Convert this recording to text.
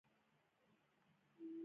زه به دې.